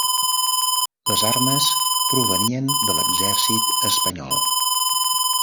Les armes provenien de l'exèrcit espanyol.